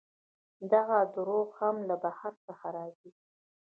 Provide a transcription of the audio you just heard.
دغه درواغ هم له بهر څخه راځي.